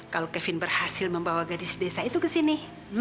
kalau kevin berhasil membawa gadis desa itu ke sini